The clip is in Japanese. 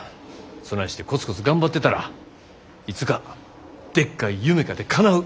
そないしてコツコツ頑張ってたらいつかでっかい夢かてかなう。